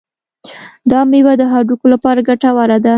دا میوه د هډوکو لپاره ګټوره ده.